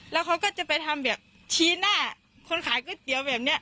แล้วเขาก็จะไปทำแบบชี้หน้าคนขายก๋วยเตี๋ยวแบบนี้